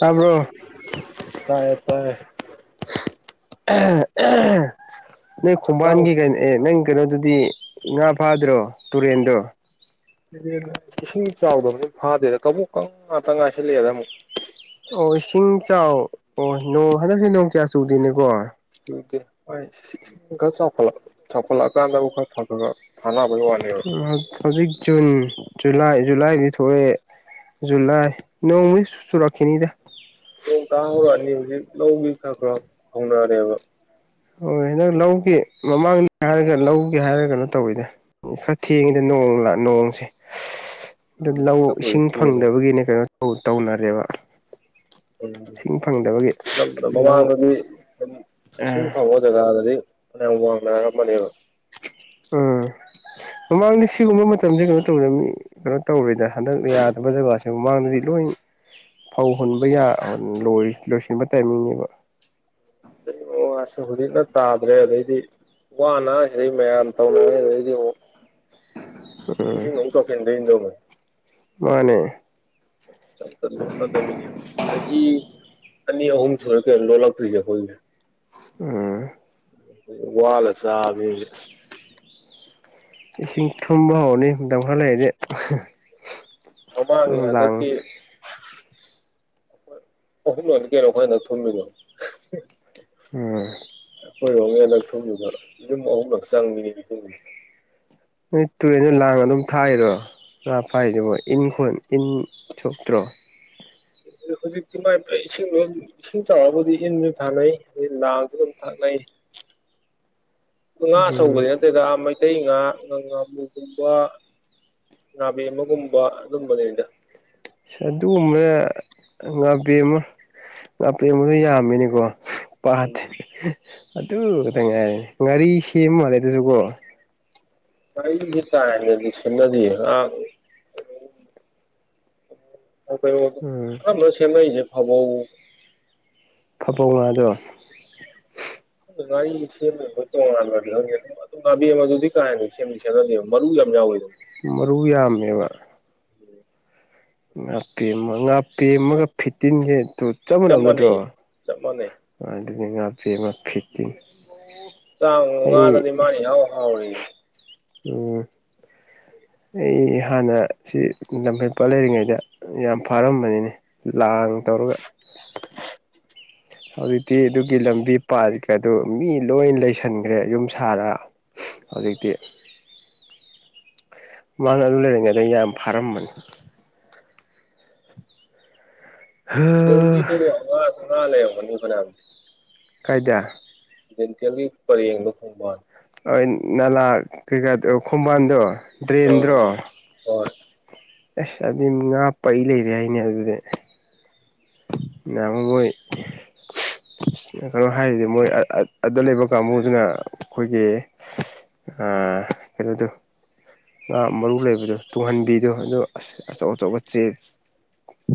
ꯇꯥꯕ꯭ꯔꯣ ꯇꯥꯏꯌꯦ ꯇꯥꯏ ꯅꯣꯏ ꯀꯥꯡ ꯈꯣꯡꯕꯥꯟꯒꯤ ꯀꯩꯅꯣ ꯑꯦ ꯅꯪ ꯀꯩꯅꯣꯗꯨꯗꯤ ꯗꯤ ꯉꯥ ꯐꯥꯗ꯭ꯔꯣ ꯇꯨꯔꯦꯟꯗꯣ ꯍ ꯏꯁꯤꯡ ꯆꯥꯎꯗꯕꯅ ꯐꯥꯗꯦꯗ ꯀꯕꯣꯛ ꯀꯪꯂꯥ ꯇꯪꯉꯥꯏ ꯁꯤꯜꯂꯛꯑꯦꯗ ꯑꯃꯨꯛ ꯑꯣ ꯏꯁꯤꯡ ꯆꯥꯎ ꯑꯣ ꯅꯣꯡ ꯍꯟꯗꯛꯁꯦ ꯅꯣꯡ ꯀꯌꯥ ꯆꯨꯗꯦꯅꯦꯀꯣ ꯍ ꯈꯔ ꯆꯥꯎꯈꯠ ꯆꯥꯎꯈꯠꯂꯛꯑꯀꯥꯟꯗꯕꯨ ꯈꯔ ꯊꯥꯅꯕ ꯇ ꯖꯨꯟ ꯂꯥꯏ ꯖꯨꯂꯥꯏ ꯃꯤ ꯊꯑꯦ ꯖꯨꯂꯥꯏ ꯅꯣꯡ ꯁ ꯆꯨꯔꯥꯈꯤꯅꯤꯗ ꯈ ꯈ ꯈꯣꯡꯗ ꯑꯔꯦꯕ ꯍꯣꯏ ꯍꯟꯗꯪ ꯂꯧꯒꯤꯦ ꯃꯃꯥꯡꯗ ꯍꯥꯏꯔꯒ ꯂꯧꯒꯦ ꯍꯥꯏꯔꯒ ꯀꯩꯅꯣ ꯇꯧꯋꯤꯗ ꯈꯔ ꯊꯦꯡꯉꯤꯗ ꯅꯣꯡꯁꯦ ꯑꯗꯨ ꯎꯝ ꯂꯧ ꯍꯟꯗꯛ ꯏꯁꯤꯡ ꯀꯨꯏꯗ꯭ꯔꯤꯌꯦ ꯐꯪꯗꯕꯒꯤꯅꯦ ꯀꯩꯅꯣ ꯇꯧꯅꯔꯦꯕ ꯏꯁꯤꯡ ꯐꯪꯗꯕꯒꯤ ꯎꯝ ꯂꯧ ꯃꯃꯥꯡꯗꯗꯤ ꯑꯗꯨꯝ ꯏꯨꯝ ꯐꯪꯉ ꯀꯗꯗꯤ ꯋꯥꯔꯝ ꯃꯅꯤ ꯎꯝ ꯃꯃꯥꯡꯗꯤ ꯁꯤꯒꯨꯝꯕ ꯃꯇꯝꯁꯦ ꯀꯩꯅꯣ ꯇꯧ ꯃꯤ ꯀꯩꯅꯣ ꯇꯧꯔꯦꯗ ꯍꯟꯗꯛ ꯌꯥꯗꯕ ꯖꯒꯥꯁꯤꯦ ꯃꯃꯥꯡꯗꯗꯤ ꯂꯣꯏ ꯐꯧ ꯍꯨꯟꯕ ꯌꯥ ꯂꯣꯏꯁꯤꯟꯕ ꯇꯥꯏꯃꯤꯡꯅꯦꯕ ꯎ [unintelligible] ꯋꯥꯁꯨ ꯍꯧꯖꯤꯛꯅ ꯇꯥꯗ꯭ꯔꯦ ꯑꯗꯩꯗꯤ ꯋꯥꯅ ꯍꯥꯏꯩ ꯃꯌꯥꯝ ꯇꯧꯅꯤꯡꯉꯤ ꯑꯗꯩꯗꯤ ꯑꯃꯨꯛ ꯎꯝ ꯏꯁꯤꯡ ꯑꯃꯨꯛ ꯆꯧꯈꯦꯟꯗ ꯏꯗꯧꯅ ꯃꯥꯅꯦ ꯆ ꯆꯗꯕꯤꯅꯤ ꯆꯍꯤ ꯆꯍꯤ ꯑꯅꯤ ꯑꯍꯨꯝ ꯁ ꯀꯦ ꯂꯣꯂꯛꯇꯇ꯭ꯔꯤꯖꯦ ꯀꯣꯏ ꯑꯝ ꯋꯥꯜ ꯆꯟꯅꯦ ꯏꯁꯤꯡ ꯊꯨꯝꯕ ꯍꯧꯔꯅꯤ ꯗꯪꯈꯔ ꯂꯩꯔꯗꯤ ꯅꯪ ꯃꯃꯥꯡꯉ ꯂꯥꯡ ꯍꯟꯗꯛꯀꯤ ꯑꯍꯨꯝ ꯂ ꯀꯩꯅꯣ ꯑꯩꯈꯣꯏ ꯍꯟꯗꯛ ꯊꯨꯝꯃꯤꯅꯣ ꯑꯝ ꯍꯣꯏꯔꯣ ꯍꯟꯗꯛ ꯊꯨꯝꯖꯨ ꯈ ꯌꯨꯝ ꯑꯍꯨꯝꯂꯛ ꯆꯪ ꯃꯤꯅꯤꯒꯤ ꯊ ꯅꯣꯏ ꯇꯨꯔꯦꯟꯅ ꯂꯥꯡ ꯑꯗꯨꯝ ꯊꯥꯏꯔꯣ ꯉꯥ ꯐꯥꯏꯁꯤꯕꯣ ꯏꯟꯈꯣꯟ ꯏꯟ ꯁꯣꯛꯇ꯭ꯔꯣ [inaudible] ꯍꯧꯖꯤꯛꯇꯤ ꯃꯥꯏ ꯏꯁꯤꯡꯗꯣ ꯏꯁꯤꯡ ꯆꯥꯎꯔꯕꯨꯗꯤ ꯏꯟꯁꯨ ꯊꯥꯅꯩ ꯑꯗꯩ ꯂꯥꯡꯁꯨ ꯑꯗꯨꯝ ꯊꯛꯅꯩ ꯉꯥ ꯎꯝ ꯑꯆꯧꯕꯗꯤ ꯅꯠꯇꯦꯗ ꯃꯩꯇꯩ ꯉꯥ ꯉ ꯉꯥꯃꯨꯒꯨꯝꯕ ꯉꯥꯕꯦꯝꯃꯒꯨꯝꯕ ꯑꯗꯨꯕꯅꯤꯗ ꯑꯗꯨꯒꯨꯝꯕꯅ ꯉꯥꯦꯟ ꯑꯃ ꯉꯥ ꯄꯦꯟꯕꯗ ꯌꯥꯝꯃꯤꯅꯦꯀꯣ ꯄꯗ ꯑꯗꯨ ꯇꯉꯥꯏ ꯉꯒꯥꯔꯤ ꯁꯦꯝꯃ ꯃꯥꯜꯂꯦ ꯑꯗꯨꯁꯨꯀꯣ ꯀꯁꯤ ꯀꯥꯏ ꯅꯗꯤ ꯁꯤ ꯅꯗꯤ ꯎꯝ ꯀ ꯆꯦꯅꯏꯁꯦ ꯐꯕꯣ ꯐꯕꯧ ꯉꯥꯗꯣ ꯑ ꯒꯥꯔꯤ ꯁꯦꯝꯗꯕ ꯃꯣꯏ ꯇꯣꯉꯥꯟ ꯈꯪꯗꯦ ꯑꯗꯨꯝ ꯥꯕꯤ ꯑꯃ ꯑꯗꯨꯗꯤ ꯀꯥ ꯍꯦꯟꯅ ꯁꯦꯝꯗꯤ ꯁꯦꯝꯅꯗꯦꯕ ꯃꯔꯨ ꯌꯥꯝ ꯌꯥꯎꯋꯦꯗꯣ ꯃꯔꯨꯌꯥꯃꯕ ꯎꯝ ꯉꯥ ꯄꯦꯝꯃ ꯉꯥ ꯄꯦꯝꯃꯒ ꯐꯤꯠꯇꯤꯟꯒꯤꯦ ꯑꯗꯨ ꯆꯞ ꯃꯥꯟꯅꯕ ꯅꯠꯇ꯭ꯔꯣ ꯃꯥꯟꯅꯩꯌꯦ ꯆꯞ ꯃꯥꯟꯅꯩ ꯑꯗꯨꯗꯤ ꯉꯥꯕꯦꯃ ꯐꯤꯠꯇꯤꯡ ꯆꯥꯃꯉꯥꯗꯗꯤ ꯃꯥꯅꯤ ꯍꯥꯎ ꯍꯥꯎꯔꯤ ꯑꯣ ꯑꯩ ꯍꯥꯟꯅ ꯁꯤ ꯂꯝꯐꯩ ꯄꯥꯠ ꯂꯩꯔꯤꯉꯩꯗ ꯌꯥꯝ ꯐꯥꯔꯝꯕꯅꯤꯅꯦ ꯂꯥꯡ ꯇꯧꯔꯒ ꯍꯧꯖꯤꯛꯇꯤ ꯑꯗꯨꯒꯤ ꯂꯝꯕꯤ ꯄꯥ ꯑꯗꯨ ꯃꯤ ꯂꯣꯏ ꯂꯩꯁꯟꯈ꯭ꯔꯦ ꯌꯨꯝ ꯁꯥꯔꯒ ꯍꯧꯖꯤꯛꯇꯤ ꯃꯥꯡ ꯑꯗꯨ ꯂꯩꯔꯤꯉꯩꯗ ꯌꯥꯝ ꯐꯥꯔꯝꯝꯕꯅꯤ ꯤ ꯇ ꯍꯉ ꯁꯉ ꯂꯩꯅꯤꯕꯅꯦꯌꯥꯝꯗꯤꯦ ꯀꯥꯏꯗ ꯗꯦꯟꯇꯦꯜꯂꯤ ꯄꯔꯦꯡꯗ ꯈꯣꯡꯕꯥꯅꯤ ꯍꯣꯏ ꯅꯥꯂ ꯀꯩꯀꯥꯗꯣ ꯀꯝꯕꯥꯜꯗꯣ ꯑ ꯍꫭꯏ ꯑꯁ ꯑꯗꯨ ꯉꯥ ꯄꯩ ꯂꯩꯔꯦ ꯍꯥꯏꯅꯦ ꯑꯗꯨꯗꯤ ꯌꯥꯝꯃꯒꯣꯏ ꯀꯩꯅꯣ ꯍꯥꯏꯔꯤꯗꯤ ꯃꯣꯏ ꯑꯗꯨ ꯂꯩꯕ ꯀꯥꯡꯕꯨꯗꯨꯅ ꯑꯩꯈꯣꯏꯒꯤ ꯑ ꯀꯩꯅꯣꯗꯣ ꯉꯥ ꯃꯔꯨ ꯂꯩꯕꯗꯣ ꯇꯨꯡꯍꯟꯕꯤꯗꯣ ꯑꯗ ꯑꯁ ꯑꯆꯧ ꯑꯆꯧꯕ ꯆꯦ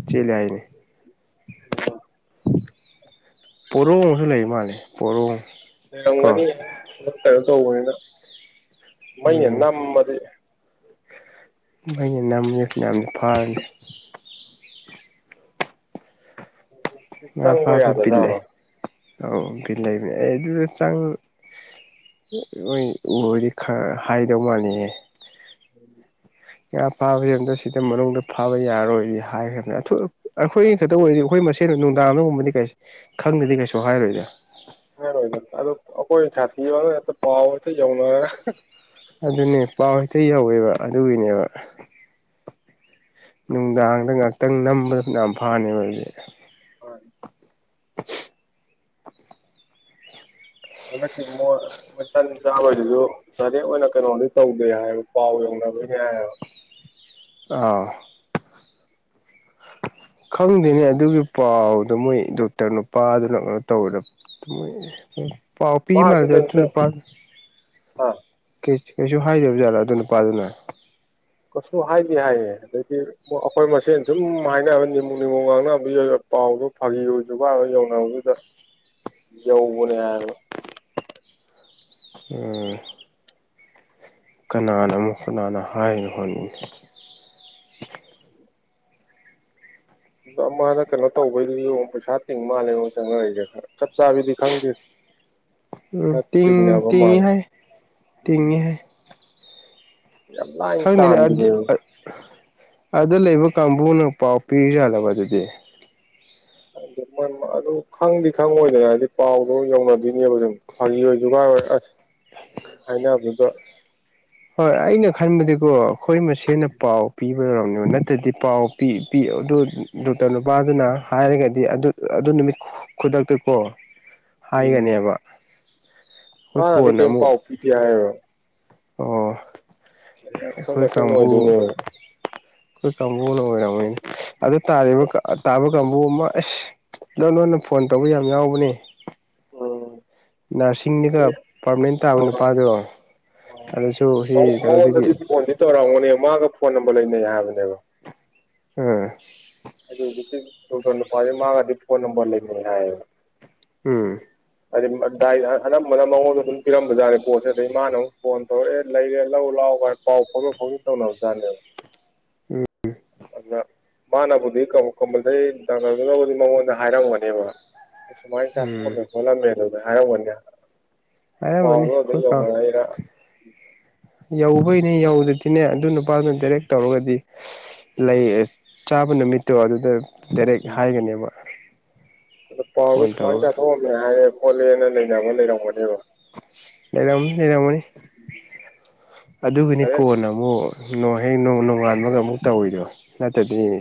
ꯆꯂꯏꯅꯦ [inaudible] ꯄꯣꯔꯣ ꯑꯃꯁꯨ ꯂꯩ ꯃꯥꯜꯅꯤ ꯄꯣꯔꯣꯡ ꯀꯣ ꯂꯩꯔꯝꯒꯅꯤ ꯀꯩꯅꯣ ꯇꯧꯕꯅꯤꯅ ꯃꯩꯅ ꯎꯝ ꯅꯝꯃꯗꯤ ꯃꯩꯅ ꯅꯝꯃ ꯃꯅ ꯐꯥꯔꯅꯤ ꯉꯥ ꯆꯪꯕ ꯐꯥꯕꯁꯨ ꯕꯤꯜꯂꯦ ꯌꯥꯗꯖꯥꯠꯔꯣ ꯑꯧ ꯕꯤꯜꯂꯕꯅꯦ ꯑꯩ ꯑꯗꯨꯗ ꯆꯪ ꯅꯣꯏ ꯎꯔꯗꯤ ꯈꯔ ꯍꯥꯏꯗꯧ ꯃꯥꯅꯤꯌꯦ [unintelligible] ꯉꯥ ꯐꯥꯕꯕꯁꯤ ꯑꯝ ꯁꯤꯗ ꯃꯅꯨꯡꯗ ꯐꯥꯕ ꯌꯥꯔꯣꯏꯗꯤ ꯍꯥꯏꯈ꯭ꯔꯕ ꯑꯩꯈꯣꯏ ꯈꯛꯇ ꯑꯣꯏꯔꯗꯤ ꯑꯩꯈꯣꯏ ꯃꯁꯅ ꯅꯨꯡꯗꯥꯡ ꯑꯃꯒꯨꯝꯕꯗꯤ ꯀꯩ ꯈꯡꯗꯗꯤ ꯀꯩꯁꯨ ꯍꯥꯏꯔꯣꯏꯗ ꯀ ꯑꯣꯏ ꯑꯗ ꯑꯩꯈꯣꯏ ꯁꯥꯇ ꯌꯥ ꯄꯋꯥ ꯑꯣꯏ ꯊ ꯌꯥꯎ ꯅꯔ ꯑꯗꯨꯅꯦ ꯄꯥꯎ ꯍꯦꯛꯇ ꯌꯥꯎꯋꯦꯕ ꯑꯗꯨꯒꯤꯅꯦꯕ ꯅꯨꯡꯗꯥꯡꯗ ꯉꯥꯏꯍꯥꯛꯇꯡ ꯅꯝꯕꯗ ꯌꯥꯝ ꯐꯥꯅꯦꯕ ꯑꯩꯁꯦ ꯍꯣꯏ [inaudible] ꯍꯟꯗꯛꯇꯤ ꯃꯣꯏ ꯃꯩꯇꯟ ꯆꯥꯛ ꯂꯣꯏꯔꯁꯨ ꯆꯥꯔꯦꯛ ꯑꯣꯏꯅ ꯀꯩꯅꯣꯗꯤ ꯇꯧꯗꯦ ꯍꯥꯏꯌꯦꯕ ꯄꯥꯎ ꯌꯧꯅꯕꯅꯦ ꯍꯥꯏꯌꯦꯕ ꯑꯥ ꯈꯡꯗꯦꯅꯦ ꯑꯗꯨꯒꯤ ꯄꯥꯎꯗꯣ ꯃꯣꯏ ꯗꯣꯛꯇꯔ ꯅꯨꯄꯥꯗꯨꯅ ꯀꯩꯅꯣ ꯇꯧꯋꯗ ꯃꯣꯏ ꯃꯣꯏ ꯄꯥꯎ ꯃꯥꯗꯤ ꯄꯤꯃꯗꯦ ꯀꯩꯝꯇ ꯇꯨꯅꯨꯄꯥꯗꯨ ꯑꯥ ꯀꯩ ꯁꯤ ꯗꯁꯨ ꯍꯥꯏꯗꯕꯖꯥꯠ ꯑꯗꯨ ꯅꯨꯄꯥꯗꯨꯅ ꯀꯁꯨ ꯍꯥꯏꯗꯤ ꯍꯥꯏꯌꯦ ꯑꯗꯩꯗꯤ ꯑꯩꯈꯣꯏ ꯃꯁꯦꯟ ꯁꯨꯝ ꯍꯥꯏꯅꯕ ꯅꯤꯃꯨ ꯅꯤꯃꯨ ꯉꯥꯡꯅꯕꯏꯕ ꯄꯥꯎꯗꯣ ꯐꯥꯒꯤꯔꯁꯨꯀꯒ ꯌꯧꯅꯕꯗꯨꯗ ꯌꯧꯕꯅꯦ ꯍꯥꯏꯕ ꯑꯧ ꯀꯅꯥꯅ ꯑꯃꯨꯛ ꯀꯅꯥꯅ ꯍꯥꯏꯅꯦ ꯍꯣꯅꯤ ꯑꯣ ꯑꯃꯅ ꯀꯩꯅꯣ ꯇꯧꯕꯩꯅꯤꯌꯣ ꯄꯩꯁꯥ ꯇꯤꯡ ꯃꯥꯜꯂꯦ ꯃꯦꯛ ꯆꯡꯖꯤꯔꯛꯏꯁꯦ ꯈꯔ ꯆꯞ ꯆꯡꯕꯤꯗꯤ ꯈꯡꯗꯦ ꯎꯝ ꯇꯤꯡ ꯀꯠꯇꯉꯕꯃ ꯇꯤꯡꯉꯤ ꯂꯩꯦ ꯍꯥꯏ ꯎꯝ ꯇꯤꯡꯉꯤ ꯍꯥꯏ ꯏꯡꯇ ꯈꯪꯗꯦꯅꯦ ꯑꯗꯨ ꯑꯕꯤꯗꯦꯕ ꯑꯗ ꯂꯩꯕ ꯀꯥꯡꯕꯨꯅ ꯄꯥꯎ ꯄꯤꯨ ꯌꯥꯂꯕ ꯑꯗꯨꯗꯤ ꯃꯣꯏ ꯑꯗꯨ ꯈꯪꯗꯤ ꯈꯪꯉꯣꯏꯗꯅ ꯍꯥꯏꯗꯤ ꯄꯥꯎꯗꯣ ꯌꯧꯅꯗꯣꯏꯅꯦꯕ ꯁꯨꯝ ꯐꯥꯒꯤ ꯖꯨꯒꯥꯏꯔꯣꯏ ꯑꯁ ꯍꯥꯏꯅꯕꯗ ꯍꯣꯏ ꯑꯩꯅ ꯈꯟꯕꯗꯤꯀꯣ ꯑꯩꯈꯣꯏ ꯃꯁꯦꯟꯅ ꯄꯥꯎ ꯄꯤꯕ ꯌꯥꯔꯝꯅꯦꯕ ꯅꯠꯇ꯭ꯔꯗꯤ ꯄꯥꯎ ꯄꯤ ꯑꯗꯨ ꯗꯣꯛꯇꯔ ꯅꯨꯄꯥꯗꯨꯅ ꯍꯥꯏꯔꯒꯗꯤ ꯑꯗꯨ ꯑꯗꯨ ꯅꯨꯃꯤꯠ ꯈꯨꯗꯛꯇꯀꯣ ꯍꯥꯏꯒꯅꯦꯕ ꯑꯩꯈꯣꯏ ꯃꯥꯗꯤ ꯀꯣꯟꯅ ꯀꯩ ꯑꯃꯨꯛ ꯄꯥꯎ ꯄꯤꯗꯤ ꯍꯥꯏ ꯑꯣ ꯑꯩꯈꯣꯏ ꯀꯥꯡ ꯃꯁꯦꯟ ꯀꯥꯡꯕꯨ ꯑꯣꯏꯗꯣꯏꯅꯦꯕ ꯑꯩꯈꯣꯏ ꯀꯥꯡꯕꯨꯅ ꯑꯣꯏꯔꯝꯅꯦ ꯑꯗꯨ ꯇꯥꯔꯤꯕ ꯇꯥꯕ ꯀꯥꯡꯕꯨ ꯑꯃ ꯑꯦꯁ ꯑꯗꯣ ꯅꯉꯅ ꯐꯣꯟ ꯇꯧꯕ ꯌꯥꯝ ꯌꯥꯎꯕꯅꯦ ꯑꯣꯝ ꯅꯔꯁꯤꯡꯅꯤꯗ ꯄꯥꯔꯃꯅꯦꯟ ꯇꯥꯕ ꯅꯨꯄꯥꯥꯗꯣ ꯑꯗꯨꯁꯨ ꯁꯤ ꯀꯩꯅꯣꯗꯒꯤ ꯣꯅꯦ ꯃꯥꯒ ꯐꯣꯟ ꯅꯝꯕꯔ ꯂꯩꯅꯩ ꯍꯥꯏꯕꯅꯦꯕ ꯑ ꯇ ꯐꯦ ꯃꯥꯒꯗꯤ ꯐꯣꯟ ꯅꯝꯕꯔ ꯂꯩꯅꯤ ꯍꯥꯏ ꯎꯝ ꯍꯥꯏꯩ ꯗꯥꯏ ꯑꯅꯝꯕꯅ ꯃꯉꯣꯟꯗ ꯑꯗꯨꯝ ꯄꯤꯔꯝꯕꯖꯥꯔꯦ ꯄꯣꯠꯁꯦ ꯑꯗꯒꯤꯩ ꯃꯥꯅ ꯑꯃꯨꯛ ꯐꯣꯟ ꯇꯧꯔꯛꯑꯦ ꯂꯩꯔꯦ ꯂꯧ ꯂꯥꯎꯒꯥꯏ ꯄꯥꯎ ꯐꯥꯎ ꯐꯥꯎꯩ ꯇꯧꯥꯎꯅꯅ ꯑ ꯃꯥꯅꯕꯨꯗꯤ ꯀꯝꯄꯜꯁꯔꯤ ꯗꯥꯛꯇꯔꯗꯨꯅꯕꯨꯗꯤ ꯃꯉꯣꯟꯗ ꯍꯥꯏꯔꯝꯒꯅꯦꯕ ꯑꯩ ꯁꯨꯃꯥꯏꯅ ꯎꯝ ꯆꯥꯊꯣꯛꯑꯝꯃꯦ ꯈꯣꯠꯂꯝꯃꯦ ꯑꯗꯨꯗ ꯍꯥꯏꯔꯝꯕꯅꯦ ꯑꯔꯦꯃꯅꯤ ꯍꯣꯏ ꯀ ꯌꯎ ꯑꯩꯈꯣꯏꯅꯦ ꯌꯧꯗꯗꯤꯅꯦ ꯑꯗꯨ ꯅꯨꯄꯥꯗꯨ ꯗꯥꯏꯔꯦꯛ ꯇꯧꯔꯒꯗꯤ ꯂꯩ ꯆꯥꯕ ꯅꯨꯃꯤꯠꯇꯣ ꯑꯗꯨꯗ ꯗꯥꯏꯔꯦꯛ ꯍꯥꯏꯒꯅꯦꯕ ꯑꯣ ꯄꯥꯎꯔꯗꯨ ꯐꯣꯟ ꯁꯨꯃꯥꯏꯅ ꯇꯧꯔꯒ ꯆꯥꯊꯣꯛꯑꯝꯃꯦ ꯍꯥꯏꯔꯦ ꯈꯣꯠꯂꯦꯅ ꯂꯩꯅꯕ ꯂꯩꯔꯝꯒꯅꯦꯕ ꯂꯩꯔꯝꯅꯤ ꯂꯩꯔꯝꯃꯅꯤ ꯑꯗꯨꯒꯤꯅꯤ ꯀꯣ ꯗꯥꯏꯔꯦꯛ ꯅ ꯑꯃꯛ ꯅꯣꯡ ꯍꯦꯛ ꯅꯣꯡ ꯅꯣꯡꯉꯥꯟꯕꯒ ꯑꯃꯨꯛ ꯇꯧꯋꯤꯗꯣ ꯅꯠꯇꯗꯤꯅꯦ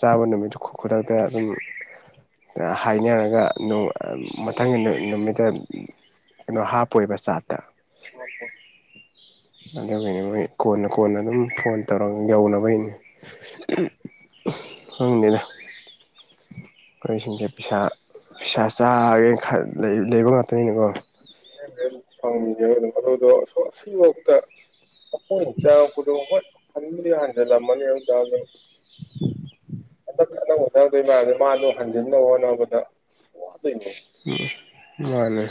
ꯆꯥꯕ ꯅꯨꯃꯤꯠ ꯈꯨꯗꯥꯥꯗ ꯑꯗꯨꯝ ꯍꯥꯏꯅꯔꯒ ꯃꯊꯪꯒꯤ ꯅꯨꯃꯤꯠꯇ ꯀꯩꯅꯣ ꯍꯥꯞꯄꯣꯏꯕ ꯆꯥꯇ ꯑh. ꯑꯗꯨꯅꯦ ꯃꯣꯏ ꯀꯣꯟꯅ ꯀꯣꯟꯅ ꯑꯗꯨꯝ ꯐꯣꯟ ꯇꯧꯔ ꯌꯧꯅꯕꯩꯅꯤ ꯍꯪꯅꯤꯗ. ꯑꯩꯈꯣꯏꯁꯤꯡꯁꯦꯥ ꯄꯁꯥ ꯆꯥꯒꯦꯅ ꯂꯩꯕ ꯉ ꯐꯪꯒꯦꯝ ꯑꯗꯨꯗꯣ ꯁꯤꯐꯥꯎꯇ ꯑꯩꯈꯣꯏꯅ ꯆꯥꯉꯛꯄꯗꯣ ꯍꯣꯏ ꯈꯟꯕꯨꯗꯤ ꯍꯟꯖꯜꯂꯝꯃꯅꯤ ꯍꯥꯏꯕ ꯇꯔꯗ [unintelligible] ꯑꯅꯧꯕꯊꯗꯣꯏ ꯃꯁꯦ ꯃꯥꯗꯣ ꯍꯟꯖꯤꯟꯅꯕ ꯍꯣꯠꯅꯕꯗ ꯋꯥꯗꯣꯏꯅꯦ ꯃꯥꯅꯦ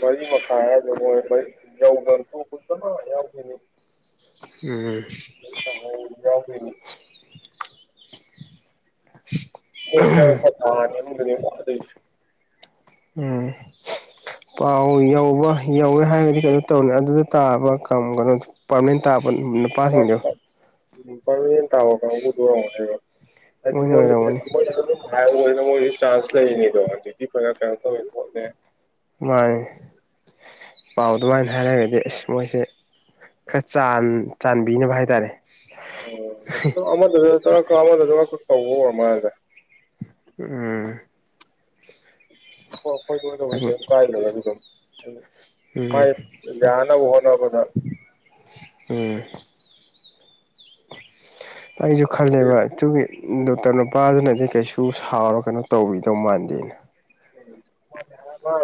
ꯃꯔꯤ ꯃꯈꯥꯏ ꯍꯥꯏꯗ ꯃꯣꯏ ꯌꯧꯗ ꯌꯥꯎꯈꯤꯅꯤ ꯎꯝ ꯌꯥ ꯐꯅꯤ [unintelligible] ꯍꯣꯏ ꯆꯪ ꯀꯊꯥꯅꯤꯒꯅꯤ ꯋꯥꯗꯁꯨ ꯎꯝ ꯄꯥꯎ ꯌꯧꯕ ꯌꯧꯋꯦ ꯍꯥꯏꯔꯒꯗꯤ ꯀꯩꯅꯣ ꯇꯧꯔꯅꯤ ꯑꯗꯨꯗ ꯇꯥꯕ ꯀꯩꯅꯣ ꯄꯥꯔꯃꯅꯦꯟ ꯇꯥꯕ ꯄꯥꯁꯤꯡꯗꯣ ꯎꯝ ꯄꯥꯃꯅ ꯇꯥꯕꯣ ꯀꯥꯡꯕꯨꯗꯨꯔꯝꯣ ꯍꯥꯏꯔꯣ ꯍꯥꯏꯗꯤ ꯃꯣꯏꯅ ꯃꯣꯏ ꯑꯣꯏꯔꯝꯒꯅꯤ ꯃꯣꯏ ꯑꯗꯨꯝ ꯍꯥꯏ ꯑꯣꯏ ꯇ ꯃꯣꯏꯗ ꯆꯥꯟꯁ ꯂꯩꯔꯤꯅꯤꯗꯣ ꯑꯗꯨꯗꯤ ꯐꯖ ꯀꯩꯅꯣ ꯇꯧꯋꯦ ꯈꯣꯠꯂ ꯃꯥꯅꯦ ꯄꯥꯎ ꯑꯗꯨꯃꯥꯏꯅ ꯍꯥꯏꯔꯒꯗꯤ ꯑꯁ ꯃꯣꯏꯁꯦ ꯈꯔꯥꯟ ꯆꯥꯟꯕꯤꯅꯕ ꯍꯥꯏꯇꯥꯔꯦ ꯎ ꯑꯃꯗ ꯑꯃꯗꯈꯛ ꯇꯧꯕ ꯑꯣꯏꯔ ꯃꯥꯜꯁꯦ ꯎꯝ ꯑꯣ ꯑꯩꯈꯣꯏꯗꯧ ꯀꯥꯏ ꯂꯩ ꯑꯗꯨꯝ ꯎꯝ ꯃꯥꯥꯏ ꯌꯥꯅꯕꯨꯅ ꯀꯗ ꯎꯝ ꯑꯩꯁꯨ ꯅꯠꯇ꯭ꯔꯗꯤ ꯈꯜꯂꯦꯕ ꯑꯗꯨꯒꯤ ꯗꯣꯛꯇꯔ ꯅꯨꯄꯥꯗꯨꯅꯗꯤ ꯀꯩꯁꯨ ꯁꯥꯎꯔ ꯀꯩꯅꯣ ꯇꯧꯕꯤꯗꯧ ꯃꯥꯟꯗꯦꯅ ꯌꯥ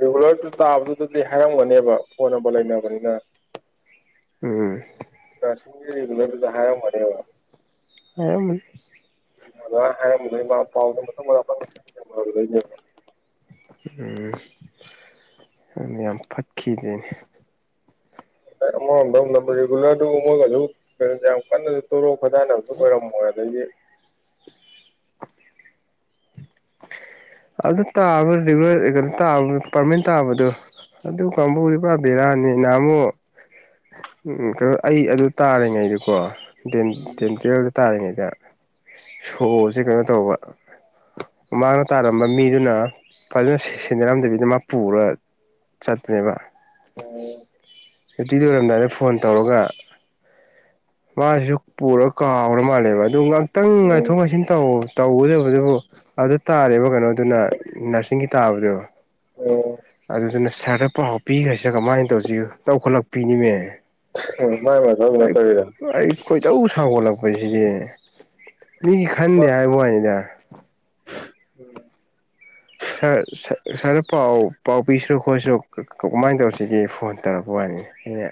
ꯔꯤꯒꯨꯂꯔꯗꯨ ꯇꯥꯕꯗꯨꯗꯗꯤ ꯍꯥꯏꯔꯝꯒꯅꯦꯕ ꯐꯣꯟ ꯅꯝꯕꯔ ꯂꯩꯅꯕꯅꯤꯅ ꯎꯝ ꯒꯂꯔꯗ ꯍꯥꯏ ꯃꯔꯦꯕ ꯑ ꯃ ꯃꯥ ꯍꯥꯏꯔꯝꯗꯩ ꯃꯥ ꯄꯥꯎꯗ ꯃꯊ ꯃꯥꯗꯅꯦ ꯎꯝ ꯑꯗꯨ ꯌꯥꯝ ꯐꯠꯈꯤꯗꯅꯦ ꯔꯦꯒꯨꯂꯔꯃꯒ ꯀꯥꯟ ꯅ ꯊꯣꯛꯣ ꯈꯣꯗꯥꯅꯕꯁꯨ ꯑꯣꯏꯔꯝꯃꯣꯏ ꯑꯗꯗꯤ [unintelligible] ꯑꯗꯨ ꯇꯥꯕ ꯔꯤꯒꯨꯂꯩꯅꯣ ꯇ ꯄꯥꯔꯃꯦꯟ ꯇꯥꯕꯗꯣ ꯑꯗꯨ ꯀꯥꯡꯕꯨ ꯏꯕ ꯕꯤꯦꯔꯥꯅꯤ ꯅꯃꯨꯛ [unintelligible] ꯎꯝ ꯀꯩꯅꯣ ꯑꯩ ꯑꯗꯨ ꯇꯥꯔꯤꯉꯩꯗꯀꯣ ꯗꯦꯟ ꯗꯦꯟ ꯇꯨꯔꯦꯜꯗ ꯇꯥꯔꯤꯉꯩꯗ ꯁꯣꯁꯦ ꯀꯩꯅꯣ ꯇꯧꯕ ꯃꯃꯥꯡꯅ ꯇꯥꯔꯝꯕ ꯃꯤꯗꯨꯅ ꯐꯖꯅ ꯁꯦꯟꯅꯔꯝꯗꯕꯤꯗ ꯃꯥ ꯄꯨꯔ ꯆꯠꯄꯅꯦꯕ ꯎꯝ ꯑꯗꯨꯇꯤ ꯑꯣꯏꯔꯝꯗꯥꯏꯗ ꯐꯣꯟ ꯇꯧꯔꯒ ꯃꯥꯁꯨ ꯄꯨꯔ ꯀꯥꯎꯔ ꯃꯥꯜꯂꯦꯕ ꯑꯗꯨ ꯈꯤꯇꯪ ꯉꯥꯏꯊꯣꯛ ꯉꯥꯏꯁꯤꯟ ꯇꯨ ꯇꯧꯒꯗꯕꯗꯨꯕꯨ ꯑꯗꯨ ꯇꯥꯔꯦꯕ ꯀꯩꯅꯣꯗꯨꯅ ꯅꯔꯁꯤꯡꯒꯤ ꯇꯥꯕꯗꯨ ꯑꯗꯨꯗꯨꯅ ꯁꯥꯔꯗ ꯄꯥꯎ ꯄꯤꯈ꯭ꯔꯁꯦ ꯀꯃꯥꯏꯅ ꯇꯧꯁꯤ ꯇꯧꯈꯠꯂꯛꯄꯤꯅꯤꯃꯦ ꯃꯥꯏ ꯃꯊꯧ ꯑꯩ ꯅꯠꯇꯕꯤꯗ ꯑꯩ ꯈꯣꯏꯗꯧ ꯁꯒꯠꯂꯛꯄꯁꯤꯗꯤ ꯃꯤꯒꯤ ꯈꯟꯗꯦ ꯑꯃ ꯍꯥꯏꯕ ꯋꯥꯅꯤꯗ ꯁꯥꯔ ꯁꯥꯔꯗ ꯄꯥꯎ ꯄꯥꯎ ꯄꯤꯁꯤꯔꯣ ꯈꯣꯠꯁꯤꯔꯣ ꯀꯃꯥꯏꯅ ꯇꯧꯔꯤꯁꯤꯒꯦ ꯐꯣꯟ ꯇꯧꯔꯛꯄ ꯑ ꯑꯩꯅ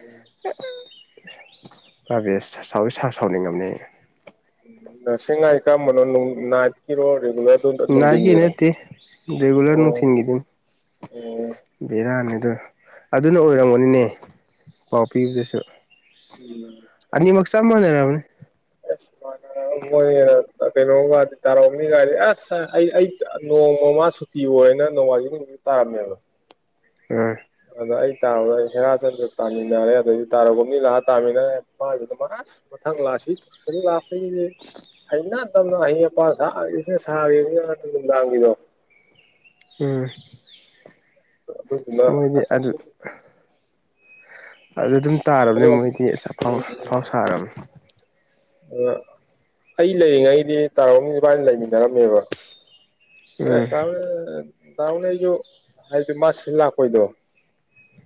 ꯎꯝ ꯀꯕꯤ ꯁꯥꯎꯗꯤ ꯁꯥ ꯁꯥꯎꯅꯤꯡ ꯉꯝꯅꯦ ꯅꯔꯁꯤꯡ ꯍꯥꯏꯗꯤ ꯀꯔꯝꯕꯅꯣ ꯅꯣ ꯅꯥꯏꯠꯀꯤꯔꯣ ꯔꯦꯒꯨꯂꯔ ꯅꯥꯒꯤ ꯅꯠꯇꯦ ꯔꯦꯒꯨꯂꯔ ꯑꯣ ꯅꯨꯡꯊꯤꯟꯒꯤꯗꯨꯅꯤ ꯑꯣ ꯕꯦꯔꯥꯅ ꯑꯗꯨ ꯑꯗꯨꯅ ꯑꯣꯏꯔꯝꯒꯅꯤꯅꯦ ꯄꯥꯎ ꯄꯤꯕꯗꯁꯨ ꯎꯝ ꯃꯅꯦꯔꯎꯅꯤ ꯑꯁꯨꯃꯥꯏꯅ ꯃꯣꯏ ꯀꯩꯅꯣꯝꯒꯗꯤ ꯇꯥꯔꯛꯑꯅꯤꯒꯥꯏꯗꯤ ꯑꯁ ꯑꯩ ꯑꯩ ꯅꯣꯡꯃ ꯃꯥ ꯁꯨꯇꯤ ꯑꯣꯏꯅ ꯅꯣꯡꯃꯥꯏꯖꯤꯡ ꯅꯨꯃꯤꯠ ꯇꯥꯔꯝꯃꯦꯕ ꯎꯝ ꯑꯗ ꯑꯩ ꯇꯥꯕꯗ ꯍꯦꯔꯥꯆꯟꯗ ꯇꯥꯃꯤꯟꯅꯔꯦ ꯑꯗꯩꯗꯤ ꯇꯥꯔꯨꯒꯨꯃꯅꯤ ꯂꯥꯛꯑ ꯇꯥꯃꯤꯟꯅꯔꯦ ꯃꯥꯁꯨ ꯑꯁ ꯃꯊꯪ ꯂꯥꯠꯁꯋꯤꯛꯁꯨꯃꯨꯛ ꯂꯥꯛꯇꯣꯏꯅꯤꯅꯦ ꯍꯩꯅꯗꯝꯅ ꯑꯍꯩ ꯑꯄꯥ ꯁꯥꯒꯤꯝꯁꯤꯕꯅ ꯁꯥꯒꯤꯝꯁꯤꯕꯅ [unintelligible] ꯎꯝ ꯑꯗꯨꯗꯨꯅ ꯃꯣꯏꯗꯤ ꯑꯁ ꯑꯗꯨ ꯑꯁ ꯑꯗꯨ ꯑꯗꯨꯝ ꯇꯥꯔꯕꯅꯦ ꯑꯗꯣ ꯃꯣꯏꯗꯤ ꯑꯁ ꯑꯐꯥꯎ ꯑꯐꯥꯎ ꯁꯥꯔꯕꯅꯤ ꯑ ꯑꯩ ꯂꯩꯔꯤꯉꯩꯗꯤ ꯇꯔꯥꯒꯨꯝꯅꯤ ꯏꯕꯥꯅꯤ ꯂꯩꯃꯤꯟꯅꯔꯝꯃꯦꯕ ꯑꯦ ꯎꯝ ꯇꯥꯅ ꯇꯥꯃꯣꯅ ꯑꯩꯁꯨ ꯍꯥꯏꯗꯤ ꯃꯥꯁꯤ ꯂꯥꯛꯄꯩꯗꯣ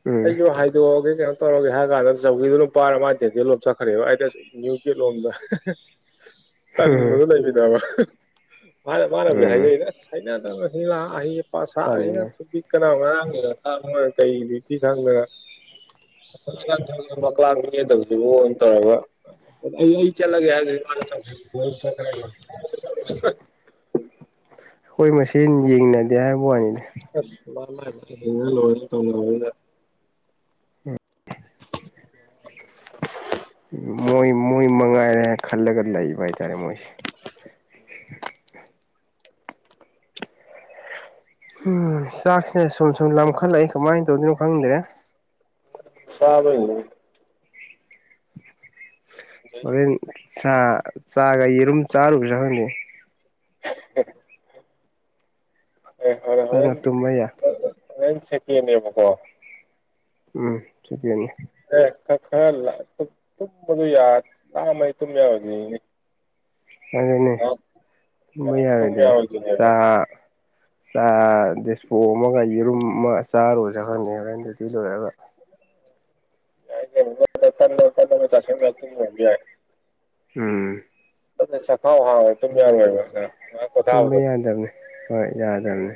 ꯎꯝ ꯑꯩꯁꯨ ꯍꯥꯏꯗꯣꯛꯑꯒꯦ ꯀꯩꯅꯣ ꯇꯧꯔꯒꯦ ꯍꯥꯏ ꯀꯥꯟꯗ ꯆꯧꯒꯤꯗꯨꯅ ꯄꯥꯏꯔ ꯃꯥꯥꯏꯗ ꯇꯦꯇꯦꯂꯣꯝ ꯆꯠꯈ꯭ꯔꯦꯕ ꯑꯩꯗꯤꯁ ꯅ꯭ꯌꯨ ꯇꯦꯠꯂꯣꯝꯗ ꯇꯟꯕꯗꯨ ꯂꯩꯃꯤꯟꯅꯕ ꯃꯥꯅ ꯃꯥꯅꯕꯨꯗꯤ ꯎꯝ ꯍꯥꯏꯖꯩꯗ ꯑꯁ ꯁꯤꯂꯥꯛꯑ ꯑꯍꯩꯑꯄꯥ ꯁꯥꯒꯤꯕꯁꯤꯅ ꯇꯟꯕꯅꯤ ꯊꯨꯄꯤꯀꯅ ꯉ ꯉꯔꯥꯡꯒꯤ ꯉꯈꯥ ꯃꯥꯅ ꯀꯩ ꯗꯨꯇꯤ ꯈꯪꯗꯅ ꯥ [unintelligible] ꯇꯧꯔꯕ ꯑꯩ ꯑꯩ ꯆꯠꯂꯒꯦ ꯍꯥꯏꯁ ꯆꯠꯈ꯭ꯔꯦ ꯀꯣꯜꯑꯝ ꯆꯠꯈꯔꯦꯕ ꯈꯣꯏ ꯃꯁꯦꯟ ꯌꯦꯡꯅꯗꯦ ꯍꯥꯏꯕ ꯋꯥꯅꯤꯅꯦ ꯑꯁ ꯃꯥꯏ ꯃꯥꯏ ꯍꯤꯡꯉ ꯂꯣꯏꯔꯦꯅ ꯇꯧꯖꯕꯁꯤꯗ ꯃꯣꯏ ꯃꯣꯏ ꯃꯉ ꯀꯥꯏ ꯈꯜꯂꯒ ꯂꯩꯕ ꯍꯥꯏꯇꯔꯦ ꯃꯣꯏꯁꯤ [inaudible] ꯎꯝ ꯆꯥꯛꯁꯤꯅꯦ ꯁꯨꯝ ꯁꯨꯝ ꯂꯈꯠꯂꯛꯏ ꯀꯃꯥꯏꯅ ꯇꯧꯗꯣꯏꯅꯣ ꯈꯪꯗ꯭ꯔꯦ ꯆꯥꯗꯣꯏꯅꯤ ꯍꯣꯔꯦꯟ ꯆꯥ ꯆꯥꯒ ꯌꯦꯔꯨꯝ ꯆꯥꯔꯨꯁꯤꯔ ꯈꯪꯗꯦ [inaudible] ꯑꯦ ꯍꯣꯏ ꯆꯪꯉ ꯍꯣꯔꯦꯟ ꯇꯨꯝꯕ ꯌꯥ ꯍꯣꯔꯦꯟ ꯁꯀꯤꯅꯦꯕꯀꯣ ꯎꯝ ꯁꯤꯒꯤꯅꯦ ꯑꯦ ꯀ ꯈꯔ ꯇꯨꯝ ꯇꯨꯝꯕꯗꯨ ꯌꯥ ꯂꯥꯝꯃꯗꯤ ꯇꯨꯝ ꯌꯥꯎꯔꯣꯏꯗꯔꯤꯅꯤꯅꯦ ꯑꯗꯨꯅꯦ ꯇꯨꯝꯕ ꯉꯥꯏꯍꯥꯛ ꯇꯨꯝ ꯌꯥꯔꯣꯏ ꯗꯩꯅꯦ ꯌꯥꯔꯣꯏꯗꯣꯏꯅꯦꯕ ꯆ ꯆꯥ ꯗꯤꯁꯄꯣ ꯑꯃꯒ ꯌꯦꯔꯨꯝ ꯑꯃ ꯆꯥꯔꯨꯖꯤꯔ ꯈꯪꯗꯦ ꯍꯨꯔꯥꯟꯕ ꯗꯨꯇꯤ ꯂꯣꯏꯔꯒ ꯌꯥꯏ ꯀꯩꯅꯣ ꯇꯟꯗꯣ ꯇꯟꯗꯣ ꯇꯟꯖꯣ ꯑꯝ ꯆꯥꯁꯤꯟꯒꯔ ꯇꯨꯝꯒꯔꯁꯨ ꯌꯥꯏ ꯎꯝ ꯑꯗꯨ ꯆꯈꯥꯎ ꯍꯥꯡꯑ ꯇꯨꯝ ꯌꯥꯔꯣꯏꯕ ꯅ ꯇꯨꯝꯕ ꯌꯥꯗꯕꯅꯤ ꯍꯣꯏ ꯌꯥꯗꯕꯅꯤ